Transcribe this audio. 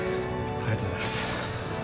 ありがとうございます